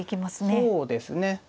そうですね。